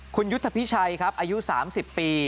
คุณยุทธพิชัยครับอายุ๓๐ปี